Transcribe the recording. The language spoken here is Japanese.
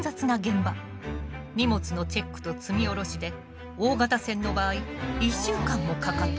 荷物のチェックと積み降ろしで大型船の場合１週間もかかった。